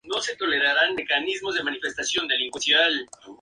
Jango no vio a sus clones en acción.